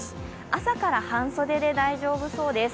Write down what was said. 朝から半袖で大丈夫そうです。